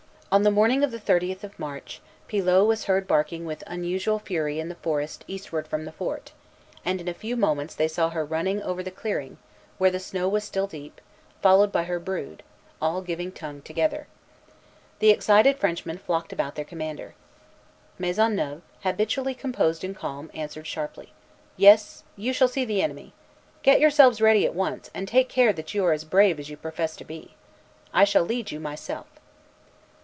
On the morning of the thirtieth of March, Pilot was heard barking with unusual fury in the forest eastward from the fort; and in a few moments they saw her running over the clearing, where the snow was still deep, followed by her brood, all giving tongue together. The excited Frenchmen flocked about their commander. "Monsieur, les ennemis sont dans le bois; ne les irons nous jamais voir?" Dollier de Casson, MS. Maisonneuve, habitually composed and calm, answered sharply, "Yes, you shall see the enemy. Get yourselves ready at once, and take care that you are as brave as you profess to be. I shall lead you myself."